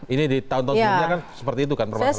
ini di tahun tahun sebelumnya kan seperti itu kan permasalahannya